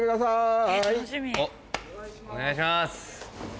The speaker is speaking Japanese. おっお願いします。